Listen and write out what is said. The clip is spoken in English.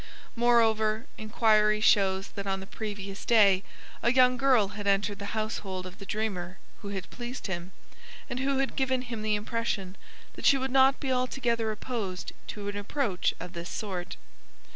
Moreover, inquiry shows that on the previous day a young girl had entered the household of the dreamer who had pleased him, and who had given him the impression that she would not be altogether opposed to an approach of this sort.